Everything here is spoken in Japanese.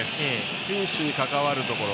フィニッシュに関わるところ。